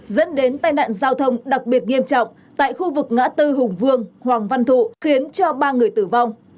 dẫn đến tai nạn giao thông đặc biệt nghiêm trọng tại khu vực ngã tư hùng vương hoàng văn thụ khiến cho ba người tử vong